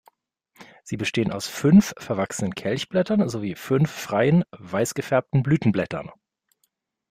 Sie bestehen aus fünf verwachsenen Kelchblättern sowie fünf freien, weiß gefärbten Blütenblättern.